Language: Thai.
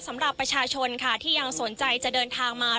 สำหรับประชาชนค่ะที่ยังสนใจจะเดินทางมา